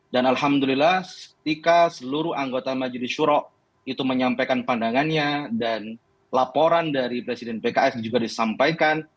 dan alhamdulillah setika seluruh anggota majelis syurok itu menyampaikan pandangannya dan laporan dari presiden pks juga disampaikan